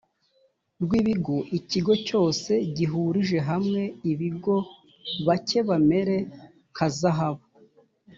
rw ibigo ikigo cyose gihurije hamwe ibigo bacye bamere nka zahabu